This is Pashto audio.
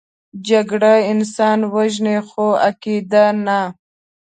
جګړه انسان وژني، خو عقیده نه